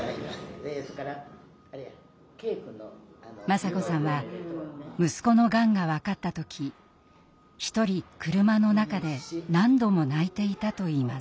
雅子さんは息子のがんが分かった時一人車の中で何度も泣いていたといいます。